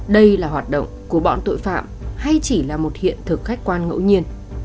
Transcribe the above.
đây là hoạt động của bọn tội phạm hay chỉ là một hiện thực khách quan ngẫu nhiên